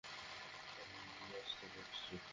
আমি আসতে বলেছি।